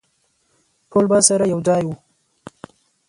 ټول به سره یوځای وو.